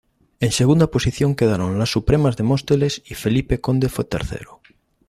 En segunda posición quedaron Las Supremas de Móstoles y Felipe Conde fue tercero.